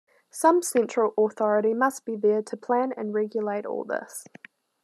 Some central authority must be there to plan and regulate all this.